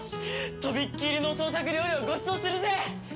とびっきりの創作料理をごちそうするぜ！